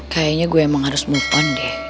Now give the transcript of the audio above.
kayaknya gue emang harus move on deh